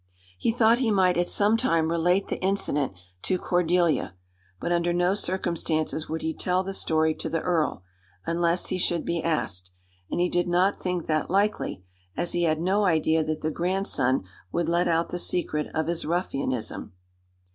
He thought he might at some time relate the incident to Cordelia; but under no circumstances would he tell the story to the earl, unless he should be asked; and he did not think that likely, as he had no idea that the grandson would let out the secret of his ruffianism.